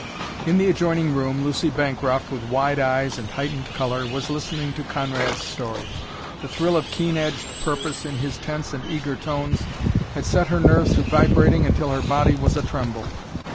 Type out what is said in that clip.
In the adjoining room Lucy Bancroft, with wide eyes and heightened color, was listening to Conrad's story. The thrill of keen edged purpose in his tense and eager tones had set her nerves to vibrating until her body was a tremble.